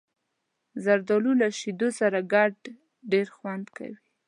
زردالو له شیدو سره ګډ ډېر خوند کوي.